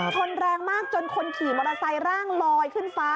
ชนแรงมากจนคนขี่มอเตอร์ไซค์ร่างลอยขึ้นฟ้า